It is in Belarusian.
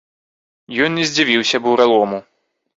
Ён не здзівіўся буралому.